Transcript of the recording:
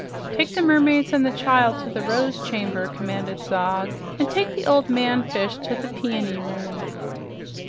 "Take the mermaids and the child to the Rose Chamber," commanded Zog, "and take the old man fish to the Peony Room."